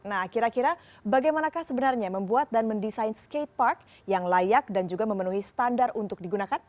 nah kira kira bagaimanakah sebenarnya membuat dan mendesain skatepark yang layak dan juga memenuhi standar untuk digunakan